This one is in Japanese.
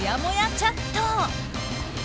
チャット。